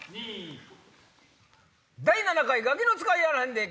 第７回『ガキの使いやあらへんで！』